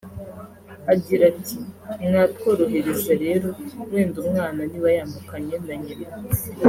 Agira ati “Mwatworohereza rero wenda umwana niba yambukanye na nyina